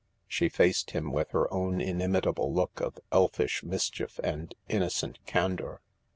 She faced him with her own inimitable look of elfish mischief and innocent candour.